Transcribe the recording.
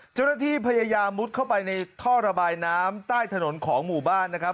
เจ้าหน้าที่พยายามมุดเข้าไปในท่อระบายน้ำใต้ถนนของหมู่บ้านนะครับ